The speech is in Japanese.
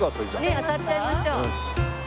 ねえ渡っちゃいましょう。